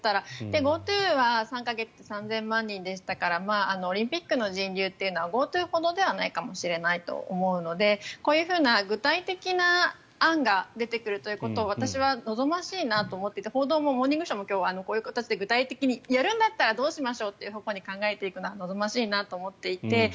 ＧｏＴｏは３か月で３０００万人でしたからオリンピックの人流っていうのはＧｏＴｏほどではないかもしれないと思うのでこういうふうな具体的な案が出てくるということを私は望ましいなと思っていて報道、「モーニングショー」も今日、こういう形で具体的にやるんだったらどうしましょうという方向で考えていくのは望ましいと思っていて。